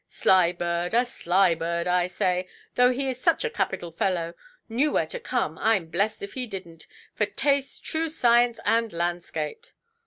Sly bird, a sly bird, I say, though he is such a capital fellow. Knew where to come, Iʼm blest if he didnʼt, for taste, true science, and landscape".